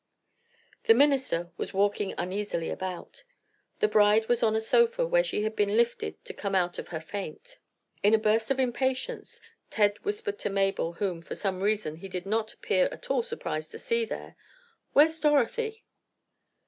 The minister was walking uneasily about. The bride was on a sofa where she had been lifted to come out of her faint. In a burst of impatience Ted whispered to Mabel, whom, for some reason, he did not appear at all surprised to see there: "Where's Dorothy?"